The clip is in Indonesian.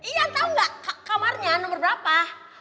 ian tau gak kamarnya nomor berapa